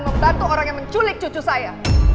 membantu orang yang menculik cucu saya